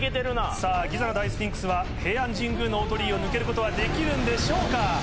さぁギザの大スフィンクスは平安神宮の大鳥居を抜けることはできるんでしょうか？